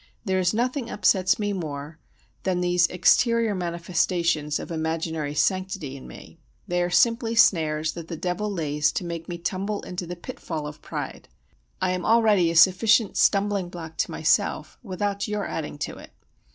There is nothing upsets me more than these exterior manifestations of imaginary sanctity in me; they are simply snares that the devil lays to make me tumble into the pitfall of pride. I am already a sufficient stumbling block to myself without your adding to it.